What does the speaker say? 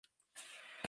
Yuki Fuji